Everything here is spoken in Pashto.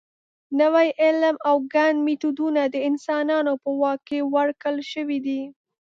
نوي علوم او ګڼ میتودونه د انسانانو په واک کې ورکړل شوي دي.